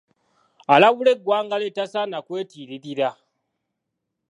Alabula eggwanga lye tasaana kwetiiririra.